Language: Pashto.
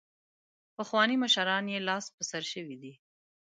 پخواني مشران یې لاس په سر شوي دي.